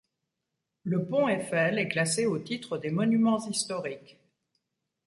Le Pont Eiffel est classé au titre des Monuments historiques.